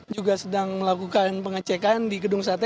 juga sedang melakukan pengecekan di gedung sate